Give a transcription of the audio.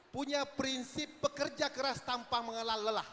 punya prinsip bekerja keras tanpa mengelal lelah